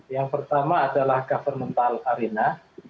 yang pertama adalah governmental arena